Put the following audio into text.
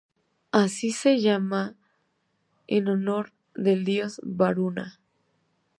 Se llama así en honor del dios Varuna.